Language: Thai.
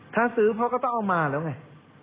ถ้าซื้อพ่อก็ต้องเอามาแล้วไง